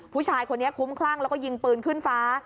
ผู้ชายคนนี้คุ้มคลั่งแล้วก็ยิงปืนขึ้นฟ้า